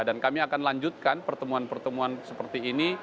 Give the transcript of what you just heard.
kami akan lanjutkan pertemuan pertemuan seperti ini